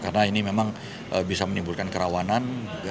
karena ini memang bisa menimbulkan kerawanan